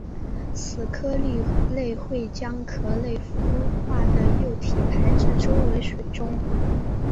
此科蜊类会将壳内孵化的幼体排至周围水中。